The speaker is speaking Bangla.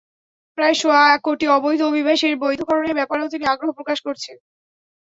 প্রায় সোয়া কোটি অবৈধ অভিবাসীর বৈধকরণের ব্যাপারেও তিনি আগ্রহ প্রকাশ করেছেন।